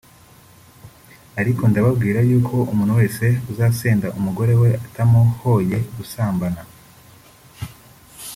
“Ariko ndababwira yuko umuntu wese uzasenda umugore we atamuhoye gusambana